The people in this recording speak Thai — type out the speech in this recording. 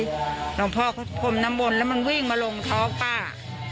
หลวงพ่อเขาพรมน้ำมนต์แล้วมันวิ่งมาลงท้องป้า